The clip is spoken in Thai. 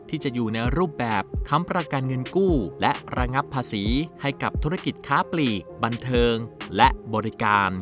ที่จะอยู่ในรูปแบบค้ำประกันเงินกู้และระงับภาษีให้กับธุรกิจค้าปลีกบันเทิงและบริการ